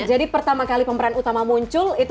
jadi pertama kali pemeran utama muncul itu